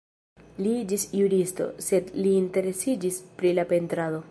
Li iĝis juristo, sed li interesiĝis pri la pentrado.